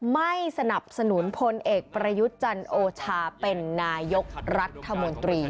ไม่สนับสนุนพลเอกประยุทธ์จันโอชาเป็นนายกรัฐมนตรี